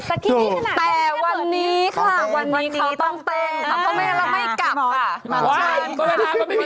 สักทีนี้ถนะไม่แยกเงิน